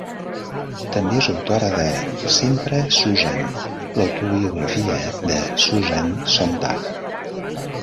També és autora de Sempre Susan: L'autobiografia de Susan Sontag.